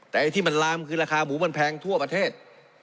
แต่ไอ้ที่มันลามคือราคาหมูมันแพงทั่วประเทศ